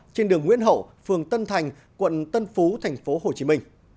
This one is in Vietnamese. trên đường nguyễn hậu phường tân thành quận tân phú tp hcm